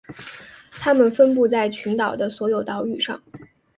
它们分布在群岛的所有岛屿上。